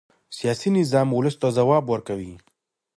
سیاسي نظام ولس ته ځواب ورکوي